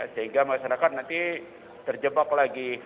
sehingga masyarakat nanti terjebak lagi